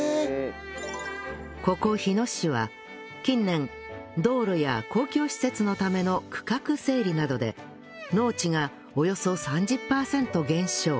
ここ日野市は近年道路や公共施設のための区画整理などで農地がおよそ３０パーセント減少